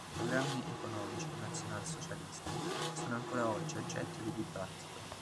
I programmi economici nazionalsocialisti sono ancora oggi oggetto di dibattito.